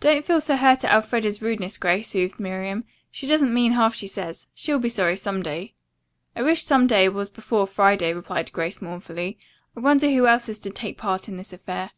"Don't feel so hurt at Elfreda's rudeness, Grace," soothed Miriam. "She doesn't mean half she says. She'll be sorry some day." "I wish 'some day' was before Friday," replied Grace mournfully. "I wonder who else is to take part in this affair?"